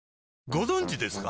ご存知ですか？